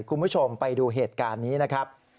คุณผู้ชมไปดูเหตุการณ์นี้นะครับ